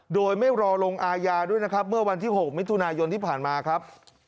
โดยไม่รอลงอาญาด้วยนะครับเมื่อวันที่๖มิถุนายนที่ผ่านมาครับ